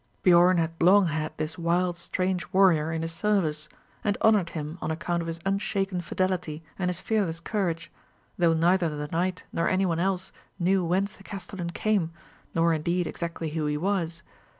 Biorn had long had this wild strange warrior in his service, and honoured him on account of his unshaken fidelity and his fearless courage, though neither the knight nor any one else knew whence the castellan came, nor, indeed, exactly who he was.